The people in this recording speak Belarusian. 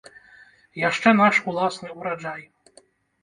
Яшчэ наш уласны ураджай!